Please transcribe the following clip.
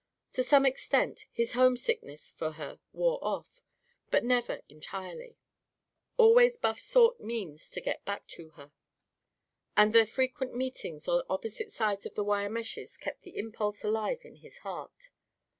To some extent, this homesickness for her wore off. But never entirely. Always Buff sought means to get back to her. And their frequent meetings, on opposite sides of the wire meshes, kept the impulse alive in his heart.